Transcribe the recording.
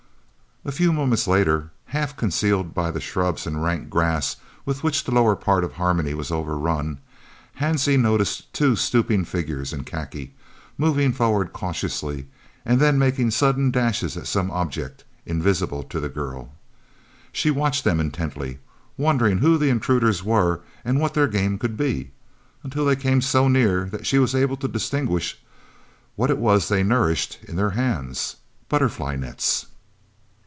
A few moments later, half concealed by the shrubs and rank grass with which the lower part of Harmony was overrun, Hansie noticed two stooping figures in khaki, moving forward cautiously and then making sudden dashes at some object, invisible to the girl. She watched them intently, wondering who the intruders were and what their game could be, until they came so near that she was able to distinguish what it was they nourished in their hands. Butterfly nets!